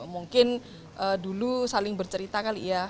mungkin dulu saling bercerita kali ya